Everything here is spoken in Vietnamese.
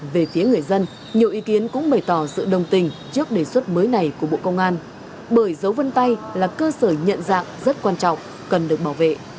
về phía người dân nhiều ý kiến cũng bày tỏ sự đồng tình trước đề xuất mới này của bộ công an bởi dấu vân tay là cơ sở nhận dạng rất quan trọng cần được bảo vệ